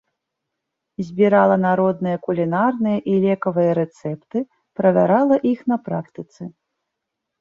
Збірала народныя кулінарныя і лекавыя рэцэпты, правярала іх на практыцы.